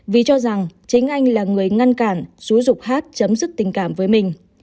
vì cho rằng chính anh là người ngăn cản xúi dục hát chấm dứt tình cảm với mình